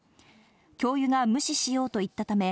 教諭が無視しようと言ったため、